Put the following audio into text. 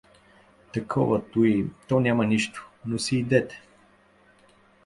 Такова, туй… то няма нищо, но си идете.